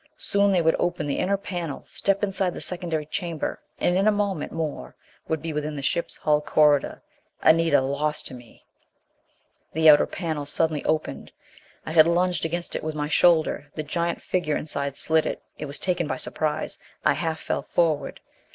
Soon they would open the inner panel, step into the secondary chamber and in a moment more would be within the ship's hull corridor. Anita, lost to me! The outer panel suddenly opened! I had lunged against it with my shoulder; the giant figure inside slid it. It was taken by surprise! I half fell forward.